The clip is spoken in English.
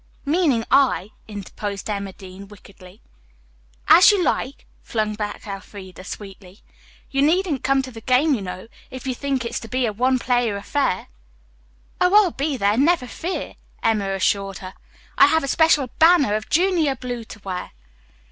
'" "Meaning 'I'," interposed Emma Dean wickedly. "As you like," flung back Elfreda sweetly. "You needn't come to the game, you know, if you think it is to be a one player affair." "Oh, I'll be there, never fear," Emma assured her. "I have a special banner of junior blue to wear."